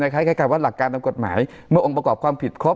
คล้ายว่าหลักการตามกฎหมายเมื่อองค์ประกอบความผิดครบ